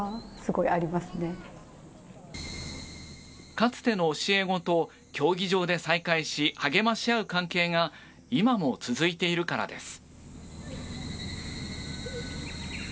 かつての教え子と競技場で再会し励まし合う関係が今も続いているからです。